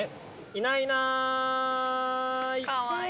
いないない。